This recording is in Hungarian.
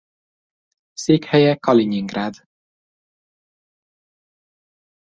Székhelye Kalinyingrád.